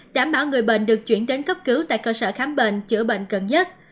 đảm bảo người bệnh được chuyển đến cấp cứu tại cơ sở khám bệnh chữa bệnh gần nhất